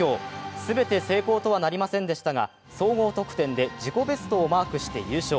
全て成功とはなりませんでしたが、総合得点で自己ベストをマークして優勝。